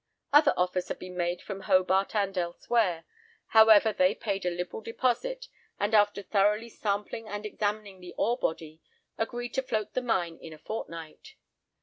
Other offers had been made from Hobart and elsewhere. However, they paid a liberal deposit, and, after thoroughly sampling and examining the ore body, agreed to float the mine in a fortnight.